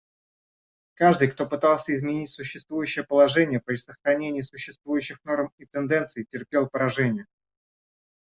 Каждый, кто пытался изменить существующее положение при сохранении существующих норм и тенденций, терпел поражение.